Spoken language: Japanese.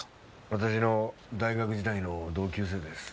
私の大学時代の同級生です。